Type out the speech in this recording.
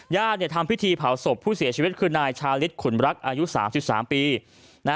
ทำพิธีเผาศพผู้เสียชีวิตคือนายชาลิศขุนรักอายุ๓๓ปี